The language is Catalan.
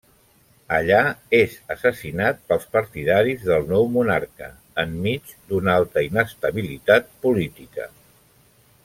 Allà és assassinat pels partidaris del nou monarca, enmig d'una alta inestabilitat política.